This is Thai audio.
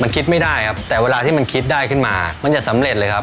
มันคิดไม่ได้ครับแต่เวลาที่มันคิดได้ขึ้นมามันจะสำเร็จเลยครับ